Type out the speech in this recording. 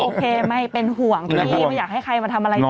โอเคไม่เป็นห่วงพี่ไม่อยากให้ใครมาทำอะไรเกิดดังนั้น